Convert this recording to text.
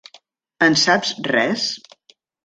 En saps res?